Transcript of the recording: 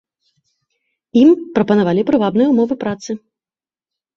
Ім прапанавалі прывабныя ўмовы працы.